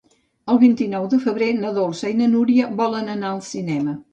El vint-i-nou de febrer na Dolça i na Núria volen anar al cinema.